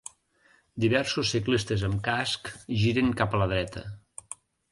Diversos ciclistes amb casc giren cap a la dreta.